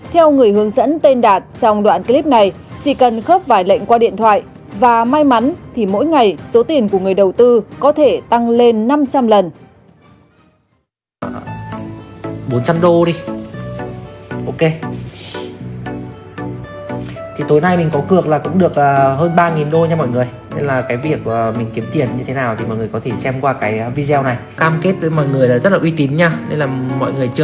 theo người hướng dẫn tên đạt trong đoạn clip này chỉ cần khớp vài lệnh qua điện thoại và may mắn thì mỗi ngày số tiền của người đầu tư